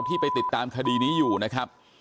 ที่ไปติดตามคดีนี้อยู่นะครับ